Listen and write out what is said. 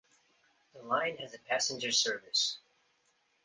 The line has a passenger service.